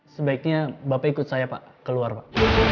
sebaiknya bapak ikut saya pak keluar pak